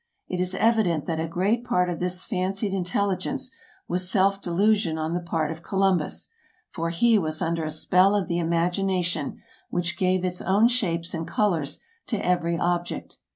It is evident that a great part of this fan cied intelligence was self delusion on the part of Columbus ; for he was under a spell of the imagination, which gave its own shapes and colors to every object.